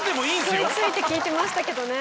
食い付いて聞いてましたけどね。